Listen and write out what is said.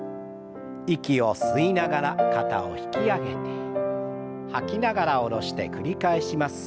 息を吸いながら肩を引き上げて吐きながら下ろして繰り返します。